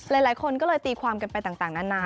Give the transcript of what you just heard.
หลายคนก็เลยตีความกันไปต่างนานา